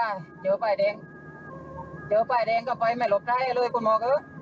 อ่าเยอะไปเด้นเซวไปเรียนก็ไปไม่หลบใจเลยคุณมอก